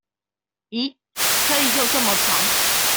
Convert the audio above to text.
疑！可以用這麼長